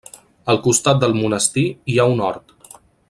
Al costat del monestir hi ha un hort.